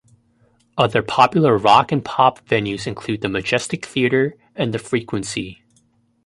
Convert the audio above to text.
Other popular rock and pop venues include the Majestic Theatre and the Frequency.